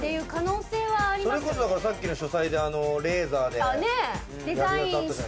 それこそさっきの書斎でレーザーで。